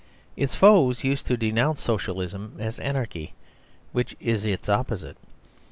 Its foes used to denounce Socialism as Anarchy, which is its opposite.